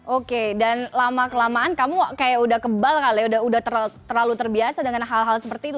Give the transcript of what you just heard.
oke dan lama kelamaan kamu kayak udah kebal kali udah terlalu terbiasa dengan hal hal seperti itu